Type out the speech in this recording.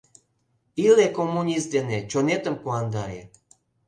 Иле коммунист дене, чонетым куандаре.